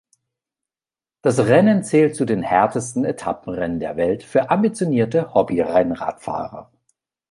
Das Rennen zählt zu den härtesten Etappenrennen der Welt für ambitionierte Hobby-Rennradfahrer.